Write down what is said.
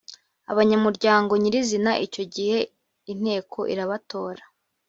abanyamuryango nyirizina icyo gihe inteko irabatora.